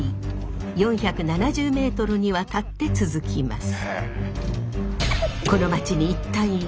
４７０メートルにわたって続きます。